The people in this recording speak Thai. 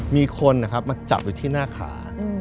มีคนมาจับอยู่ท่าขา